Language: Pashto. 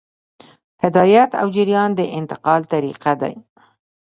هدایت او جریان د انتقال طریقې دي.